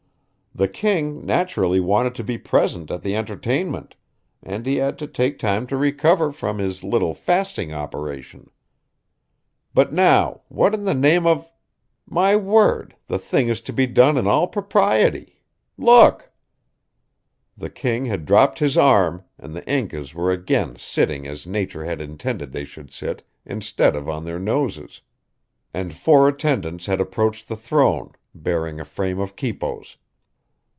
The king naturally wanted to be present at the entertainment, and he had to take time to recover from his little fasting operation. But now, what in the name of my word, the thing is to be done in all propriety! Look!" The king had dropped his arm, and the Incas were again sitting as Nature had intended they should sit, instead of on their noses. And four attendants had approached the throne, bearing a frame of quipos.